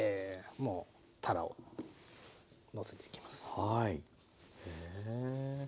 もうたらをのせていきます。